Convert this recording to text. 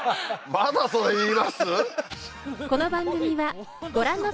まだそれ言います？